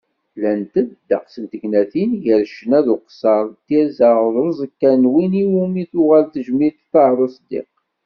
Llant-d ddeqs n tegnatin, gar ccna d uqeṣṣeṛ, d tirza ɣer uẓekka n win iwumi tuɣal tejmilt Taheṛ Uṣeddiq.